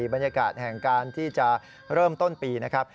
บรรยากาศแห่งการที่จะเริ่มต้นปีนะครับ